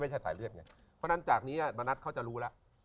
เพราะฉะนั้นจากนี้มณัฐเขาจะรู้แล้ว